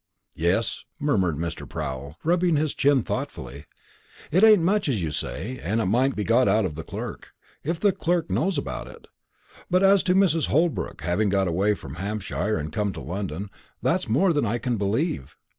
"Yes," murmured Mr. Proul, rubbing his chin thoughtfully; "it ain't much, as you say, and it might be got out of the clerk, if the clerk knows it; but as to Mrs. Holbrook having got away from Hampshire and come to London, that's more than I can believe.